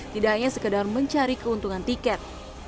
tidak hanya sekedar mencari keuntungan tiket